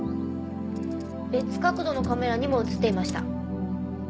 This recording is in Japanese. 別角度のカメラにも映っていました。